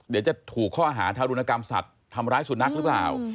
เดี๋ยวจะถูกข้อหาทารุณกรรมสัตว์ทำร้ายสุนัขหรือเปล่า